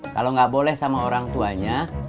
kalau nggak boleh sama orang tuanya